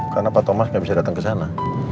karena pak thomas gak bisa datang kesana